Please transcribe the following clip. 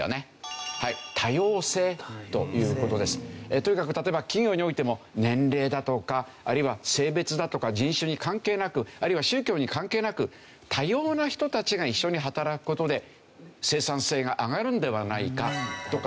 とにかく例えば企業においても年齢だとかあるいは性別だとか人種に関係なくあるいは宗教に関係なく多様な人たちが一緒に働く事で生産性が上がるのではないかとか。